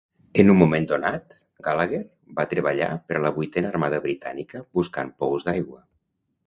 En un moment donat, Gallagher va treballar per a la Vuitena Armada Britànica buscant pous d'aigua.